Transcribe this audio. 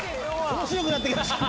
面白くなってきました。